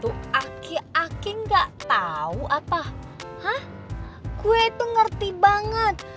tuh aki aking gak tau apa hah gue itu ngerti banget